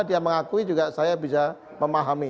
dia mengakui juga saya bisa memahami